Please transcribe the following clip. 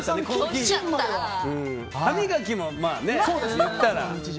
歯磨きも、まあ言ったら。